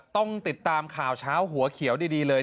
ต้องติดตามข่าวเช้าหัวเขียวดีเลย